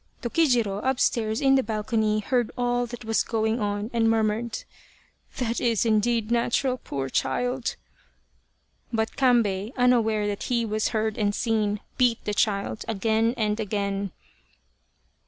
Tokijiro, upstairs in the balcony, heard all that was going on and murmured :" That is, indeed, natural, poor child." But Kambei, unaware that he was heard and seen, beat the child again and again.